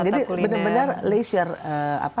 jadi benar benar leisure